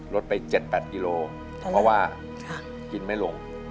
ลดไปเจ็ดแปดกิโลเพราะว่ากินไม่ลง